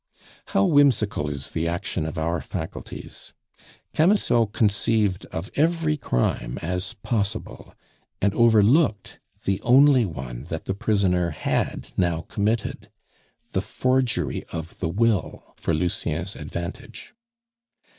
How whimsical is the action of our faculties! Camusot conceived of every crime as possible, and overlooked the only one that the prisoner had now committed the forgery of the will for Lucien's advantage.